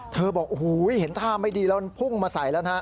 เธอบอกเห็นท่าไม่ดีแล้วพุ่งมาใส่แล้วนะฮะ